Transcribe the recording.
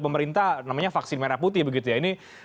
pemerintah namanya vaksin merah putih begitu ya ini